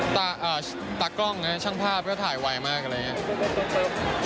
ตากล้องนะช่างภาพก็ถ่ายไวมากอะไรอย่างนี้